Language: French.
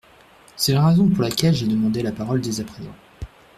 C’est la raison pour laquelle j’ai demandé la parole dès à présent.